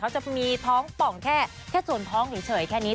เขาจะมีท้องป่องแค่ส่วนท้องเฉยแค่นี้